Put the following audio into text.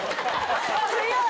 強い！